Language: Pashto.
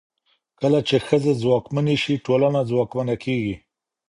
کله چې ښځې ځواکمنې شي، ټولنه ځواکمنه کېږي.